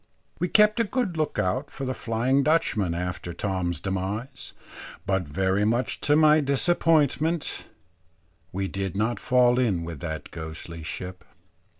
We kept a good look out for the Flying Dutchman after Tom's demise; but very much to my disappointment, we did not fall in with that ghostly ship.